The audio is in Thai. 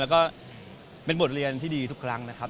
แล้วก็เป็นบทเรียนที่ดีทุกครั้งนะครับ